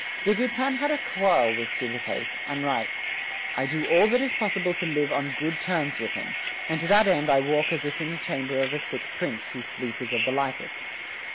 De Goutin had a quarrel with Subercase, and writes: "I do all that is possible to live on good terms with him, and to that end I walk as if in the chamber of a sick prince whose sleep is of the lightest."